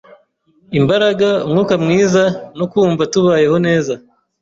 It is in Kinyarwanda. imbaraga, umwuka mwiza, no kumva tubayeho neza